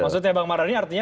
maksudnya bang marani artinya